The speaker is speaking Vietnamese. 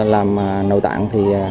làm nội tạng thì